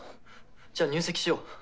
じゃあ入籍しよう。